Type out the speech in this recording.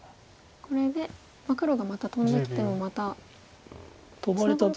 これで黒がまたトンできてもまたツナがることは。